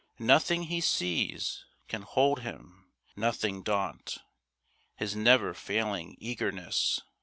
Nothing he sees can hold him, nothing daunt His never failing eagerness.